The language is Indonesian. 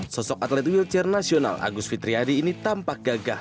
sosok atlet whilture nasional agus fitriadi ini tampak gagah